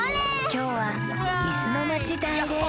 きょうはいすのまちだいレース！